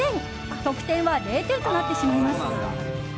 得点は０点となってしまいます。